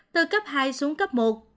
từ cấp hai xuống cấp một